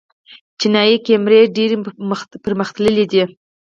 چینايي کیمرې ډېرې پرمختللې دي.